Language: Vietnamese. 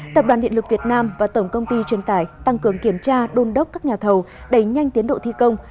tập đoàn điện lực việt nam và tổng công ty truyền tải tăng cường kiểm tra đôn đốc các nhà thầu đẩy nhanh tiến độ thi công